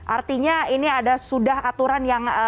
artinya ini sudah ada aturan yang berbeda